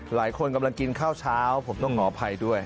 หลายคนกำลังกินข้าวเช้าผมต้องขออภัยด้วย